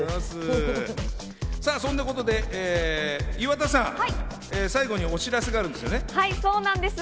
そんなことで岩田さん、最後にお知らせがあるんですね。